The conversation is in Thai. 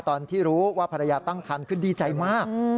ตอนที่รู้ว่าภรรยาตั้งคันคือดีใจมาก